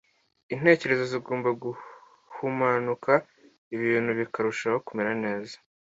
Intekerezo zigomba guhumanuka ibintu bikarushaho kumera neza